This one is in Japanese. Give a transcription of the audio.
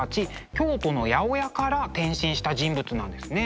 京都の八百屋から転身した人物なんですね。